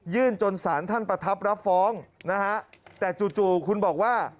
จนสารท่านประทับรับฟ้องนะฮะแต่จู่คุณบอกว่า